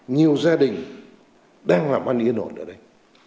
nhiều gia đình đang làm ăn yên ổn ở đây